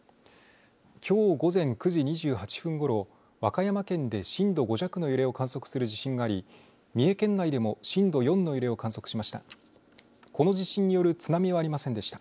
きょう午前９時２８分ごろ和歌山県で震度５弱の揺れを観測する地震があり三重県内でも震度４の揺れを観測しました。